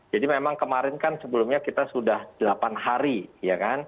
jadi memang kemarin kan sebelumnya kita sudah delapan hari ya kan